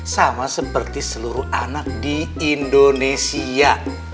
sama seperti seluruh anak di indonesia